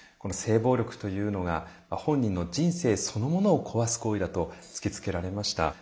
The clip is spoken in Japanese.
性暴力というのが本人の人生そのものを壊す行為だと突きつけられました。